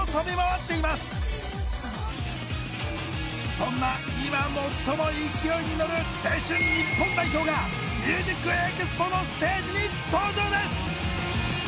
そんな今最も勢いに乗る「青春日本代表」が「ＭＵＳＩＣＥＸＰＯ」のステージに登場です！